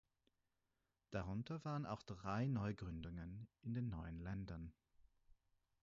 Darunter waren auch drei Neugründungen in den neuen Ländern.